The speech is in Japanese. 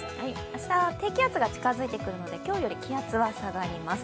明日、低気圧が近づいてくるので今日より気圧は下がります。